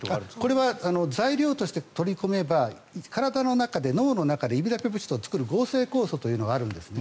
これは材料として取り込めば体の中で、脳の中でイミダペプチドを作る合成酵素というのがあるんですね。